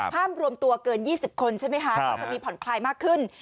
รวมตัวเกิน๒๐คนใช่ไหมคะก็จะมีผ่อนคลายมากขึ้น